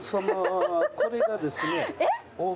これがですね